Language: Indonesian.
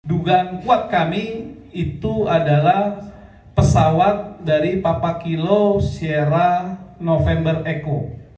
dugaan kuat kami itu adalah pesawat dari papakilo sierra november eco